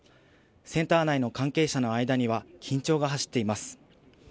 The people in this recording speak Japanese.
センター内の関係者の間には、緊張が走っています。